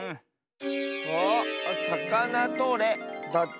あっ「さかなとれ」だって。